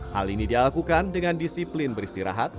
hal ini dilakukan dengan disiplin beristirahat